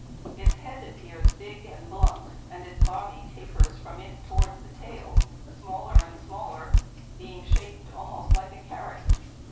Its head appears bigg and blunt, and its body tapers from it towards the tail, smaller and smaller, being shap'd almost like a carret....